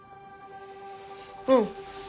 うん。